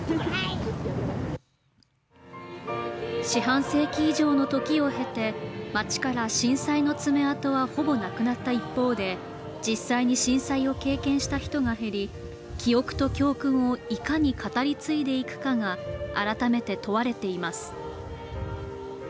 四半世紀以上の時を経て、町から震災の爪痕はほぼなくなった一方で実際に震災を経験した人が減り記憶と教訓をいかに語り継いでいくかが改めて問われています。